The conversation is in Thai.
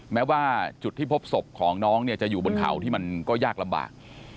แม้ว่าจุดที่พบศพของน้องเนี่ยจะอยู่บนเขาที่มันก็ยากลำบาก